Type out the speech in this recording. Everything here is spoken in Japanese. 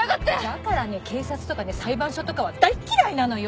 だからね警察とかね裁判所とかは大嫌いなのよ！